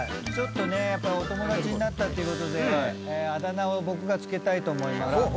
ちょっとねお友達になったってことであだ名を僕が付けたいと思います。